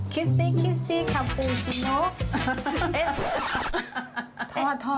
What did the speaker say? คิสซี่คัปตูชิโน้